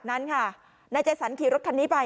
กลุ่มตัวเชียงใหม่